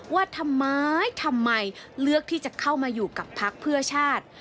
ว่าทำไมทำไมเลือกที่จะเข้ามาอยู่กับพักเพื่อชาติ